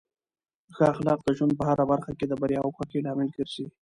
ښه اخلاق د ژوند په هره برخه کې د بریا او خوښۍ لامل ګرځي.